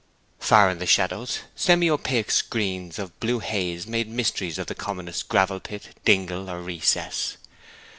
Far in the shadows semi opaque screens of blue haze made mysteries of the commonest gravel pit, dingle, or recess.